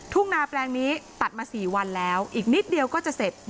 ทุ่งนาแปลงนี้ตัดมา๔วันแล้วอีกนิดเดียวก็จะเสร็จ